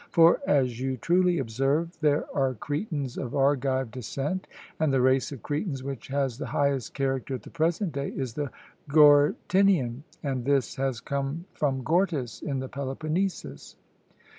For, as you truly observe, there are Cretans of Argive descent; and the race of Cretans which has the highest character at the present day is the Gortynian, and this has come from Gortys in the Peloponnesus.